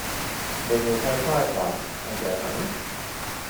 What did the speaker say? Then you'll take my advice and go home?